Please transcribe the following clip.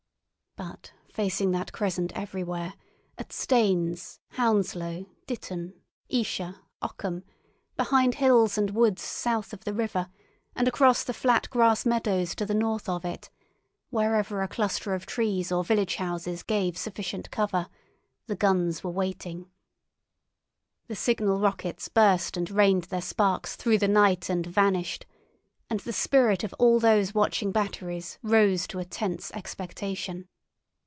But facing that crescent everywhere—at Staines, Hounslow, Ditton, Esher, Ockham, behind hills and woods south of the river, and across the flat grass meadows to the north of it, wherever a cluster of trees or village houses gave sufficient cover—the guns were waiting. The signal rockets burst and rained their sparks through the night and vanished, and the spirit of all those watching batteries rose to a tense expectation.